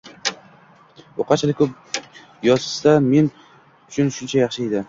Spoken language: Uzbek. U qancha ko’p yozsa, men uchun shuncha yaxshi edi.